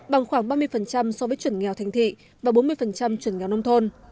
bằng khoảng ba mươi so với chuẩn nghèo thành thị và bốn mươi chuẩn nghèo nông thôn